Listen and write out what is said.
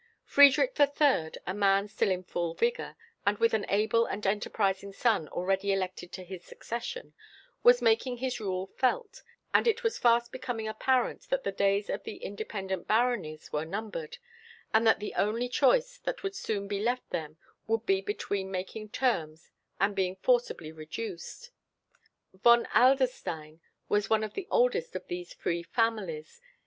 Freidrich III. a man still in full vigour, and with an able and enterprising son already elected to the succession, was making his rule felt, and it was fast becoming apparent that the days of the independent baronies were numbered, and that the only choice that would soon be left them would be between making terms and being forcibly reduced. Von Adlerstein was one of the oldest of these free families.